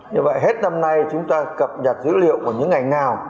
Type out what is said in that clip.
như vậy hết năm nay chúng ta cập nhật dữ liệu của những ngành nào